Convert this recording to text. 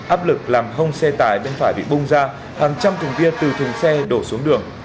áp lực làm hông xe tải bên phải bị bung ra hàng trăm thùng bia từ thùng xe đổ xuống đường